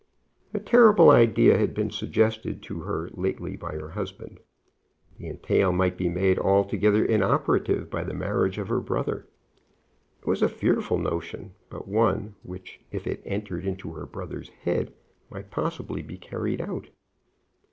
A terrible idea had been suggested to her lately by her husband. The entail might be made altogether inoperative by the marriage of her brother. It was a fearful notion, but one which if it entered into her brother's head might possibly be carried out.